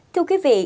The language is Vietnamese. thưa quý vị